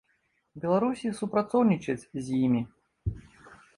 Беларусі супрацоўнічаць з імі.